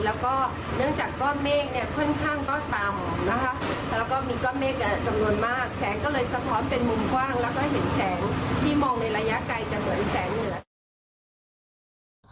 แล้วก็เนื่องจากก้อนเมฆเนี่ยค่อนข้างก็ต่ำนะคะแล้วก็มีก้อนเมฆจำนวนมาก